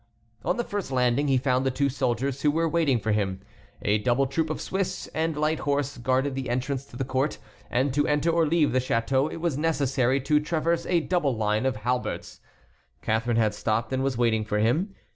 On the first landing he found the two soldiers who were waiting for him. A double troop of Swiss and light horse guarded the entrance to the court, and to enter or leave the château it was necessary to traverse a double line of halberds. Catharine had stopped and was waiting for him.